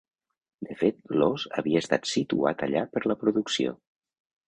De fet, l'os havia estat "situat" allà per la producció.